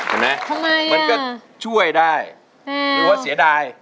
เห็นไหมมันก็ช่วยได้หรือว่าเสียดาย